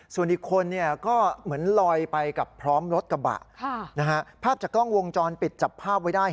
ส่วนอีกคนก็เหมือนลอยไปกับพร้อมรถกระบะภาพจากกล้องวงจรปิดจับภาพไว้ได้